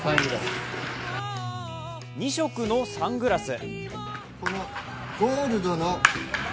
２色のサングラス。